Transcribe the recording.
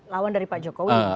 lawan dari pak jokowi gitu ya